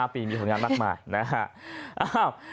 ปีมีผลงานมากมายนะครับ